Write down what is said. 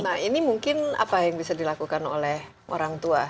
nah ini mungkin apa yang bisa dilakukan oleh orang tua